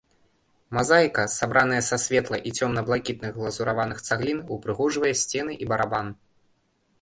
Мазаіка, сабраная са светла- і цёмна- блакітных глазураваных цаглін, ўпрыгожвае сцены і барабан.